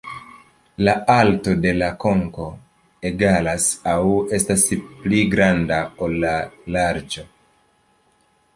La alto de la konko egalas aŭ estas pli granda ol la larĝo.